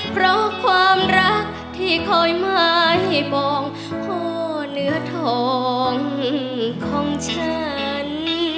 เพราะความรักที่คอยไม้ปองพ่อเนื้อทองของฉัน